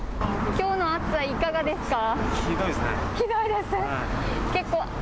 きょうの暑さいかがですか？